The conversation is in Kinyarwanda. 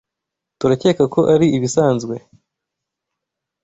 Turakeka ko ari ibisanzwe.